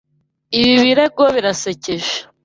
Ibi birego birasekeje.